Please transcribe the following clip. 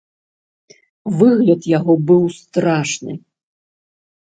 Выгляд яго быў страшны.